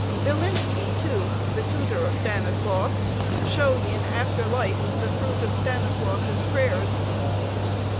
Bilinski, too, the tutor of Stanislaus, showed in after life the fruit of Stanislaus' prayers.